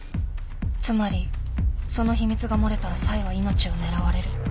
つまりその秘密が漏れたらサイは命を狙われる。